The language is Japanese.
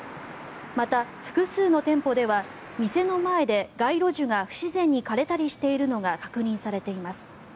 また、複数の店舗では店の前で街路樹が不自然に枯れたりしているのが確認されています。